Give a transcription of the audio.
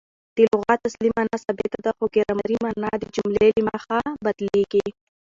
د لغت اصلي مانا ثابته ده؛ خو ګرامري مانا د جملې له مخه بدلیږي.